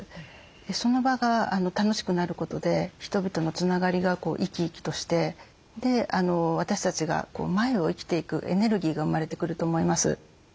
その場が楽しくなることで人々のつながりが生き生きとして私たちが前を生きていくエネルギーが生まれてくると思います。